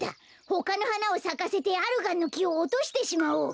ほかのはなをさかせてアルガンのきをおとしてしまおう。